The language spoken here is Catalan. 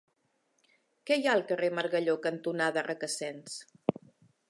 Què hi ha al carrer Margalló cantonada Requesens?